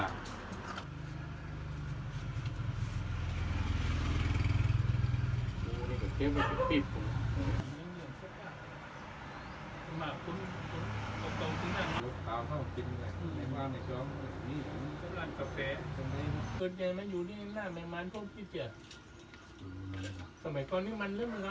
โอ้นี่ก็เต็มไปปิ๊บปุ่มอืม